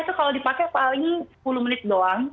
itu kalau dipakai paling sepuluh menit doang